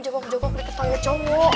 jogok jogok diketahui cowok